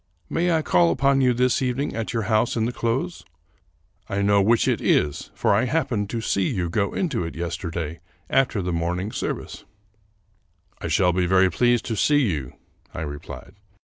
May I call upon you this evening at your house in the close? I know which it is, for I happened to see you go into it yesterday after the morning service." " I shall be very pleased to see you," I replied.